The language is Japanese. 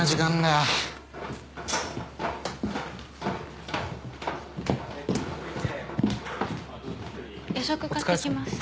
夜食買ってきます。